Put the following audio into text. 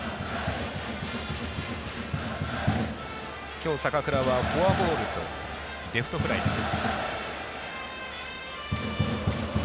今日、坂倉はフォアボールとレフトフライです。